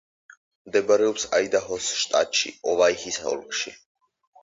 მდებარეობს აიდაჰოს შტატში, ოვაიჰის ოლქში.